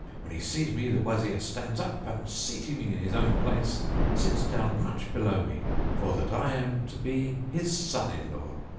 When he sees me, the Wazir stands up, and seating me in his own place sits down much below me; for that I am to be his son in law.